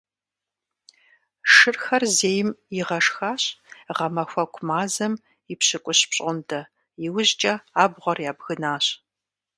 Шырхэр зейм игъэшхащ гъэмахуэку мазэм и пщыкӀущ пщӀондэ, иужькӀэ абгъуэр ябгынащ.